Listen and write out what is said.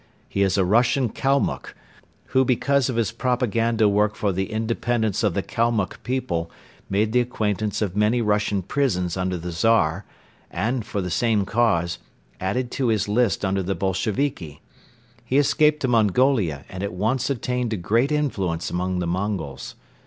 He is a Russian Kalmuck, who because of his propaganda work for the independence of the Kalmuck people made the acquaintance of many Russian prisons under the Czar and, for the same cause, added to his list under the Bolsheviki. He escaped to Mongolia and at once attained to great influence among the Mongols.